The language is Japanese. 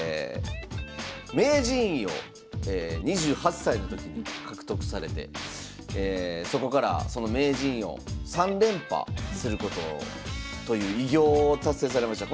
名人位を２８歳の時に獲得されてそこからその名人を３連覇することをという偉業を達成されました。